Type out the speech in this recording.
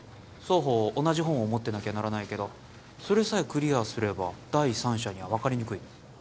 双方同じ本を持ってなきゃならないけどそれさえクリアすれば第三者には分かりにくい。